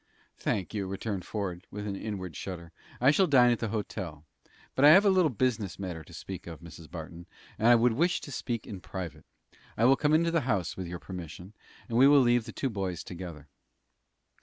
"Thank you," returned Ford, with an inward shudder. "I shall dine at the hotel; but I have a little business matter to speak of, Mrs. Barton, and I would wish to speak in private. I will come into the house, with your permission, and we will leave the two boys together."